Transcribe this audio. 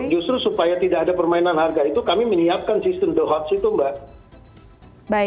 justru supaya tidak ada permainan harga itu kami menyiapkan sistem the hots itu mbak